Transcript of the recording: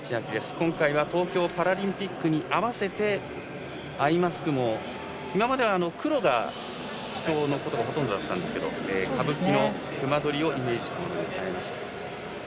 今回は東京パラリンピックに合わせてアイマスクも今までは黒が基調のことがほとんどだったんですが歌舞伎の隈取りをイメージしたものに変えました。